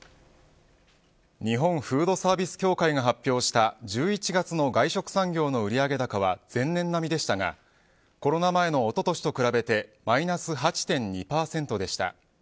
日本フードサービス協会が発表した１１月の外食産業の売上高は前年並みでしたがコロナ前のおととしと比べてマイナス８．２％でした。